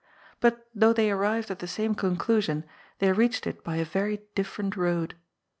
But though they arrived at the same conclusion, they reached it by a very different road.